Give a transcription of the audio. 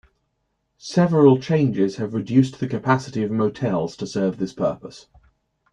Several changes have reduced the capacity of motels to serve this purpose.